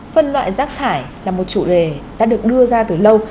phân loại rác thải là một chủ đề đã được đưa ra từ lâu